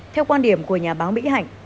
theo quan điểm của nhà báo mỹ hạnh